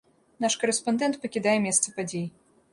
Наш карэспандэнт пакідае месца падзей.